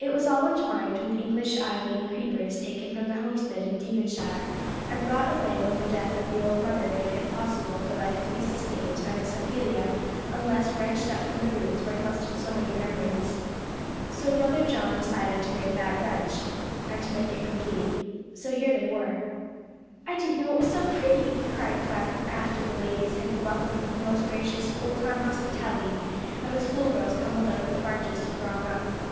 It was all entwined with English ivy and creepers taken from the homestead in Devonshire, and brought away when the death of the old mother made it impossible for life to be sustained by Miss Ophelia unless wrenched up from the roots where clustered so many memories. So Brother John decided to make that wrench, and to make it complete. So here they were. "I didn't know it was so pretty," cried Clem, after the ladies had been welcomed with the most gracious, old time hospitality, and the schoolgirls tumbled out of the barges to throng up.